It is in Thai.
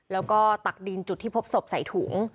แล้วก็ตักดินจุดที่พบศพใส่ถุง